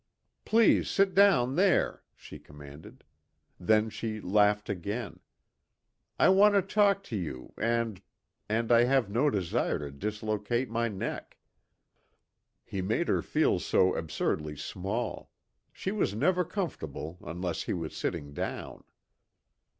"Please sit down there," she commanded. Then she laughed again. "I want to talk to you, and and I have no desire to dislocate my neck." He made her feel so absurdly small; she was never comfortable unless he was sitting down.